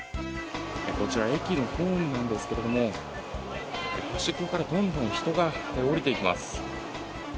こちら駅のホームなんですけれども端っこから人がどんどん下りていきます。